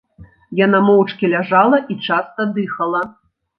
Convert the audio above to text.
Яна моўчкі ляжала і часта дыхала.